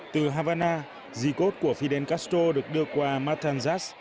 từ havana di cốt của fidel castro được đưa qua matanzas